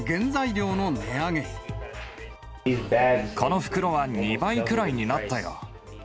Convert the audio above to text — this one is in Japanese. この袋は２倍くらいになったよ。